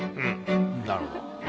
なるほど。